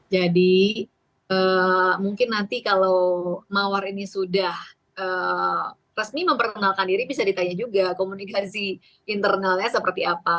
jadi mungkin nanti kalau mawar ini sudah resmi memperkenalkan diri bisa ditanya juga komunikasi internalnya seperti apa